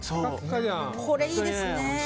これいいですね。